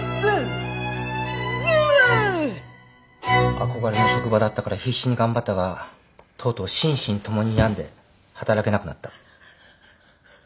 憧れの職場だったから必死に頑張ったがとうとう心身共に病んで働けなくなった。